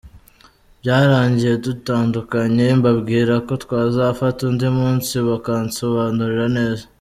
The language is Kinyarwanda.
byarangiye dutandukanye mbabwira ko twazafata undi munsi bakansobanurira neza.